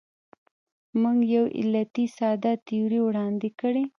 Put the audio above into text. موږ یو علتي ساده تیوري وړاندې کړې.